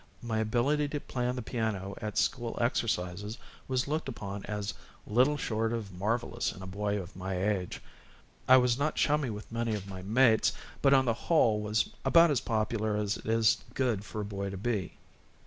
My ability to play on the piano at school exercises was looked upon as little short of marvelous in a boy of my age. I was not chummy with many of my mates, but, on the whole, was about as popular as it is good for a boy to be.